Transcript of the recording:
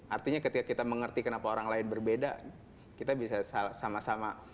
artinya ketika kita mengerti kenapa orang lain berbeda kita bisa sama sama